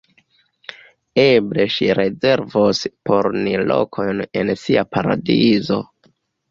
Eble ŝi rezervos por ni lokojn en sia paradizo.